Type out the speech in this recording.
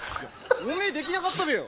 おめえできなかったべよ。